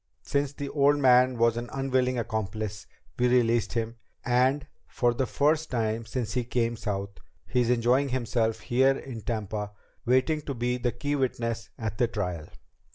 Since the old man was an unwilling accomplice, we released him, and, for the first time since he came South, he's enjoying himself here in Tampa waiting to be the key witness at the trial."